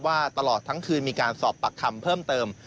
ตลอดทั้งคืนมีการสอบปากคำเพิ่มเติม